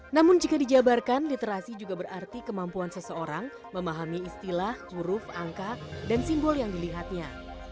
namun jika dijabarkan literasi juga berarti kemampuan seseorang memahami istilah huruf angka dan simbol yang dilihatnya